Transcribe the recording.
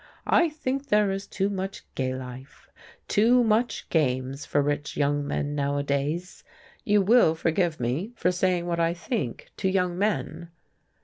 "I think there is too much gay life, too much games for rich young men nowadays. You will forgive me for saying what I think to young men?"